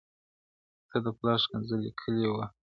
• ته د پلار ښکنځل لیکلي وه -